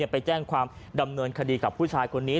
ไปแจ้งความดำเนินคดีกับผู้ชายคนนี้